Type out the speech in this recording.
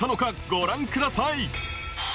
ご覧ください